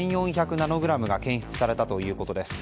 ナノグラムが検出されたということです。